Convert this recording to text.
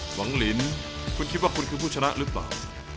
หวังลินคุณคิดว่าคุณคือผู้ชนะหรือเปล่า